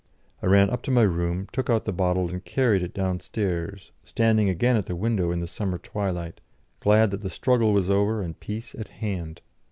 I ran up to my room, took out the bottle, and carried it downstairs, standing again at the window in the summer twilight, glad that the struggle was over and peace at hand.